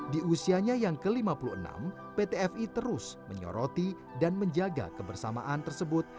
di usianya yang ke lima puluh enam pt fi terus menyoroti dan menjaga kebersamaan tersebut